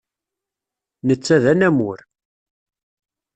Netta d anamur